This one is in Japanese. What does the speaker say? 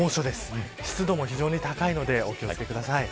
湿度も非常に高いのでお気を付けください。